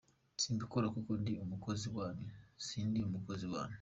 Simbikora kuko ndi umukozi wanyu, sindi umukozi wanyu.